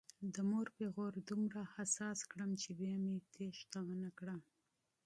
د مور پیغور دومره حساس کړم چې بیا مې تېښته ونه کړه.